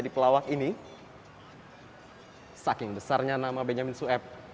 kelawak ini saking besarnya nama benjamin sueb